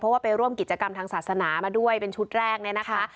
เพราะว่าไปร่วมกิจกรรมทางศาสนามาด้วยเป็นชุดแรกเนี่ยนะคะ